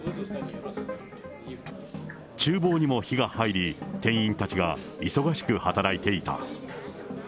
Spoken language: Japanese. ちゅう房にも火が入り、店員たちが忙しく働いていた。